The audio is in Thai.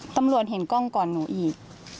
ตำรวจเห็นกล้องก่อนหนูอีก